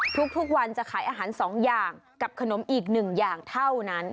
ทุกวันจะขายอาหาร๒อย่างกับขนมอีก๑อย่างเท่านั้น